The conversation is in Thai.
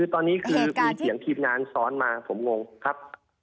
ตอนนี้คือมีเสียงทีมงานซ้อนมาผมงงครับ